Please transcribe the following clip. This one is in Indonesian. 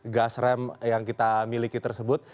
gas rem yang kita miliki tersebut